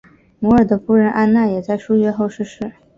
摩尔的夫人安娜也在数月后逝世。